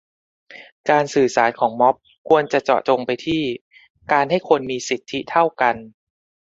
การสื่อสารของม็อบควรเจาะจงไปที่การให้คนมีสิทธิเท่ากัน